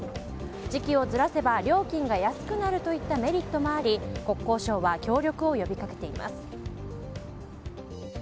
時期をずらせば料金が安くなるといったメリットもあり国交省は協力を呼び掛けています。